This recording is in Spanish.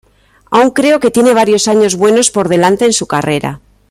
Aún creo que tiene varios años buenos por delante en su carrera".